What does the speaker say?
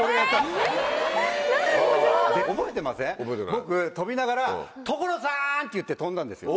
僕飛びながら「所さん！」って言って飛んだんですよ。